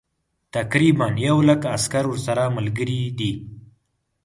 تقریبا یو لک عسکر ورسره ملګري دي.